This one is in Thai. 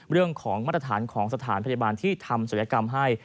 เรื่องของมาตรฐานของสถานพยาบาลที่ทำศัลยกรรมให้